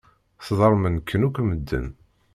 Sḍelmen-ken akk medden.